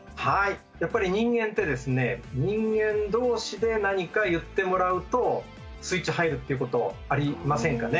やっぱり人間って人間同士で何か言ってもらうとスイッチ入るっていうことありませんかね。